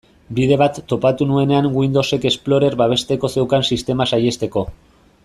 Bide bat topatu nuenean Windowsek Explorer babesteko zeukan sistema saihesteko.